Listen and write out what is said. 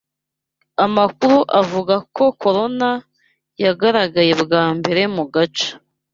Amakuru avuga ko Corona yagaragaye bwa mbere mu gace